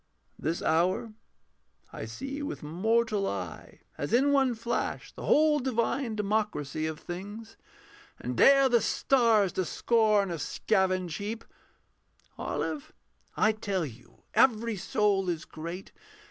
This hour I see with mortal eye as in one flash The whole divine democracy of things, And dare the stars to scorn a scavenge heap. Olive, I tell you every soul is great.